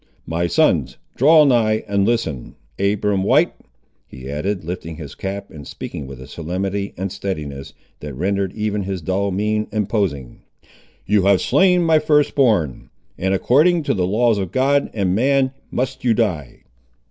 My sons, draw nigh and listen. Abiram White," he added, lifting his cap, and speaking with a solemnity and steadiness, that rendered even his dull mien imposing, "you have slain my first born, and according to the laws of God and man must you die!"